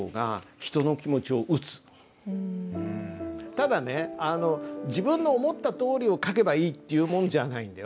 ただねあの自分の思ったとおりを書けばいいっていうもんじゃないんだよ。